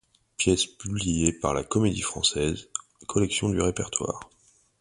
Pièce publiée par la Comédie-Française, collection du Répertoire.